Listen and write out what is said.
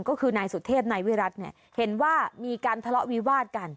ก็คือนายสุเทพนายวิรัติเนี่ยเห็นว่ามีการทะเลาะวิวาดกัน